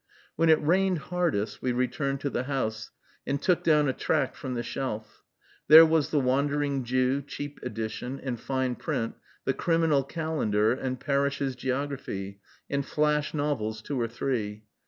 When it rained hardest, we returned to the house, and took down a tract from the shelf. There was the "Wandering Jew," cheap edition, and fine print, the "Criminal Calendar," and "Parish's Geography," and flash novels two or three.